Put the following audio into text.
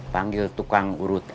panggil tukang urutan